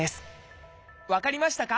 分かりましたか？